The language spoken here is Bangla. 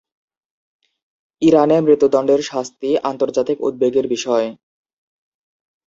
ইরানে মৃত্যুদণ্ডের শাস্তি আন্তর্জাতিক উদ্বেগের বিষয়।